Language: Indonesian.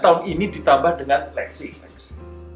tahun ini ditambah dengan lexy